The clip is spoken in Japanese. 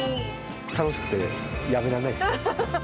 楽しくてやめられないですね。